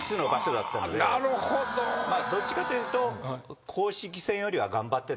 まあどっちかというと。